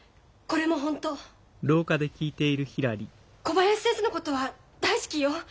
小林先生のことは大好きよ。